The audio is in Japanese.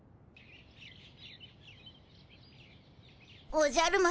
おじゃる丸